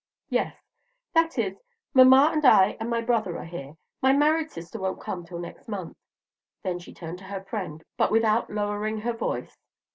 "Yes: that is, mamma and I and my brother are here; my married sister won't come till next month." Then she turned to her friend, but without lowering her voice.